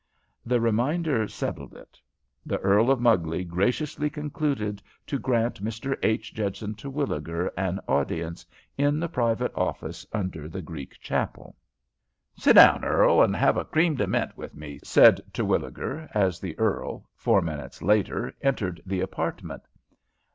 The reminder settled it. The Earl of Mugley graciously concluded to grant Mr. H. Judson Terwilliger an audience in the private office under the Greek chapel. "Sit down, Earl, and have a cream de mint with me," said Terwilliger, as the earl, four minutes later, entered the apartment.